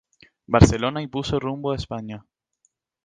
Barcelona y puso rumbo a España.